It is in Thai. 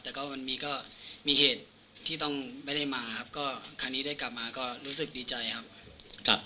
แต่ก็มีก็มีเหตุที่ต้องไม่ได้มาครับก็คราวนี้ได้กลับมาก็รู้สึกดีใจครับ